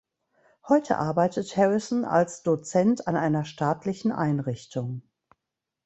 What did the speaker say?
Heute arbeitet Harrison als Dozent an einer staatlichen Einrichtung.